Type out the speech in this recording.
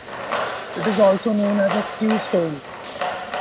It is also known as a "stew stove".